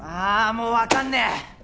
もう分かんねえ！